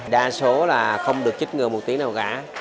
đa số không được chích ngừa một tiếng nào cả